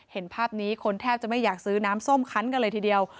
เห็นภาพนี้คนแทบจะไม่อยากซื้อน้ำส้มคันกันเลยทีเดียว